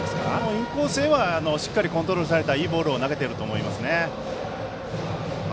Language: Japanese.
インコースへはしっかりコントロールされたいいボールを投げていると思いますね。